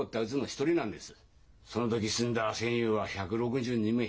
その時死んだ戦友は１６２名。